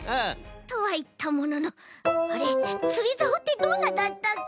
とはいったもののあれつりざおってどんなだったっけ？